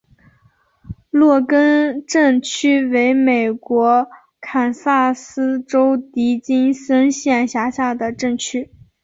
洛根镇区为美国堪萨斯州迪金森县辖下的镇区。